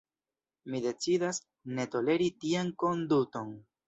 Mi decidas, ne toleri tian konduton.